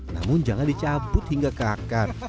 namun jangan dicabut hingga ke akar